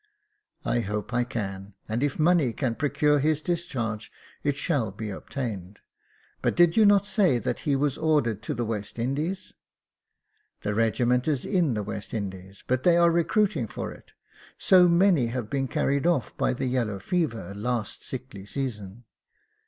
" I hope I can, and if money can procure his discharge it shall be obtained. But did you not say that he was ordered to the West Indies ?"The regiment is in the West Indies, but they are recruiting for it, so many have been carried oif by the yellow fever last sickly season.